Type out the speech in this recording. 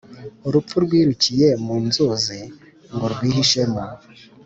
urupfu rwirukiye mu nzuzi ngo rwihishemo